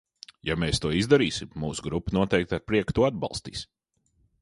Ja mēs to izdarīsim, mūsu grupa noteikti ar prieku to atbalstīs.